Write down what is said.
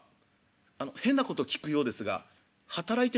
「あの変なこと聞くようですが働いてますか？」